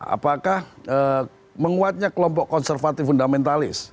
apakah menguatnya kelompok konservatif fundamentalis